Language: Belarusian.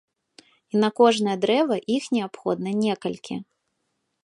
І на кожнае дрэва іх неабходна некалькі.